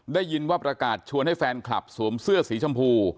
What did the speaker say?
ได้ยินว่าประกาศชวนให้แฟนคลับสวมเสื้อสีชมพู